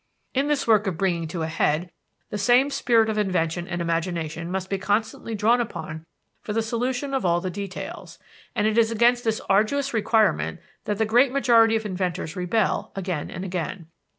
In this work of bringing to a head, the same spirit of invention and imagination must be constantly drawn upon for the solution of all the details, and it is against this arduous requirement that the great majority of inventors rebel again and again.